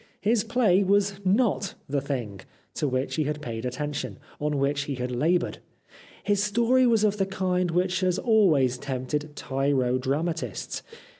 His play was not the thing, to which he had paid attention, on which he had laboured. His story was of the kind which has always tempted tyro dramatists.